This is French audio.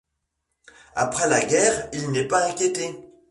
Après la guerre, il n'est pas inquiété.